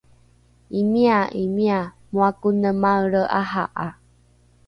imia imia moa kone maelre aha’a